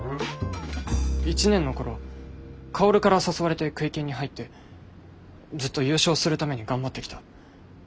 １年の頃薫から誘われてクイ研に入ってずっと優勝するために頑張ってきた。